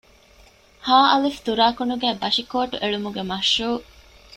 ހއ.ތުރާކުނުގައި ބަށިކޯޓް އެޅުމުގެ މަޝްރޫޢު